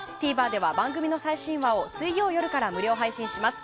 ＴＶｅｒでは番組の最終話を水曜夜から無料配信します。